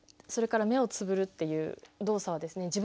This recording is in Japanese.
それから目をつぶるっていう動作はですね